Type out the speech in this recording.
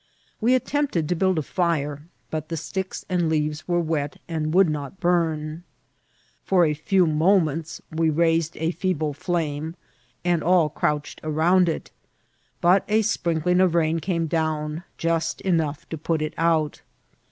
We attempt ed to build a fire, but the sticks and leaves were wet, and would not bum. For a few moments we raised a feeble flame, and all crouched around it ; but a sprink ling of rain came down, just enough to put it out.